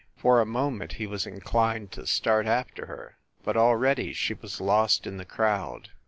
For a moment he was inclined to start after her but already she was lost in the crowd.